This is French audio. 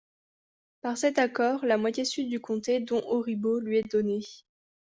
Par cet accord, la moitié sud du comté, dont Auribeau, lui est donnée.